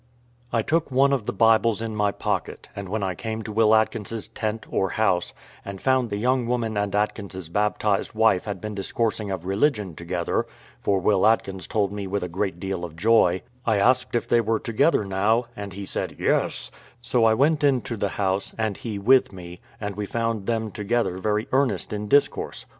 I took one of the Bibles in my pocket, and when I came to Will Atkins's tent, or house, and found the young woman and Atkins's baptized wife had been discoursing of religion together for Will Atkins told it me with a great deal of joy I asked if they were together now, and he said, "Yes"; so I went into the house, and he with me, and we found them together very earnest in discourse.